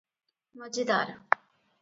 ମଜେଦାର!